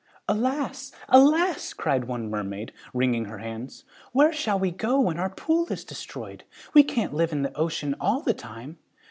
"Alas! alas!" cried one mermaid, wringing her hands. "Where shall we go when our pool is destroyed? We can't live in the ocean all the time."